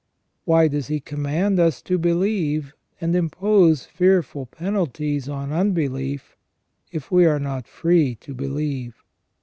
Why does He command us to believe, and impose fearful penalties on unbelief, if we are not free to believe